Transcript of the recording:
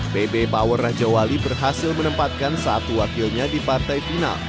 pb power raja wali berhasil menempatkan satu wakilnya di partai final